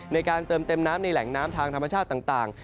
ในการเติมเต็มน้ำในแหล่งน้ำทางธรรมชาติต่าง